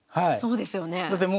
そうですよねえ。